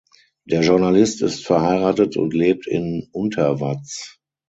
Der Journalist ist verheiratet und lebt in Untervaz.